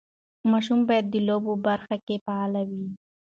ماشوم باید د لوبو برخه کې فعال وي.